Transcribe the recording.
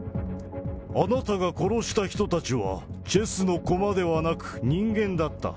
あなたが殺した人たちは、チェスの駒ではなく、人間だった。